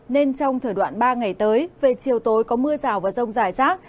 nên trong thời đoạn ba ngày tới về chiều tối có mưa rào và rông dài rác